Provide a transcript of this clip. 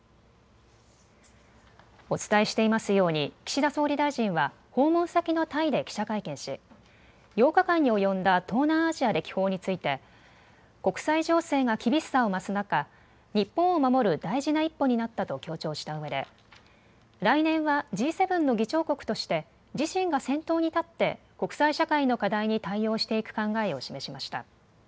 お伝えしていますように、岸田総理大臣は、訪問先のタイで記者会見し、８日間に及んだ東南アジア歴訪について、国際情勢が厳しさを増す中、日本を守る大事な一歩になったと強調したうえで、来年はＧ７の議長国として、自身が先頭に立って、国際社会の課題に対応していく考えを示しました。